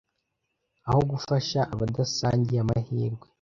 aho gufasha abadasangiye amahirwe